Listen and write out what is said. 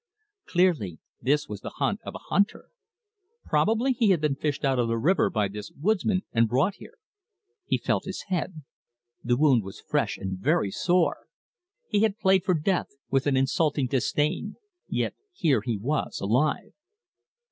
Clearly this was the hut of a hunter. Probably he had been fished out of the river by this woodsman and brought here. He felt his head. The wound was fresh and very sore. He had played for death, with an insulting disdain, yet here he was alive.